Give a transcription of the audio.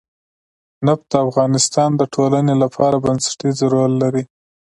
نفت د افغانستان د ټولنې لپاره بنسټيز رول لري.